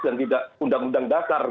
dan tidak menggunakan undang undang dasar